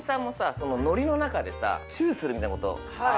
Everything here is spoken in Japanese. そのノリの中でさチュするみたいなこと。